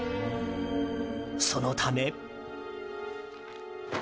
そのため。